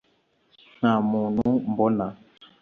nta muntu mbona